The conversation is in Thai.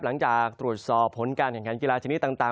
หลังจากตรวจสอบผลการแข่งขันกีฬาชนิดต่าง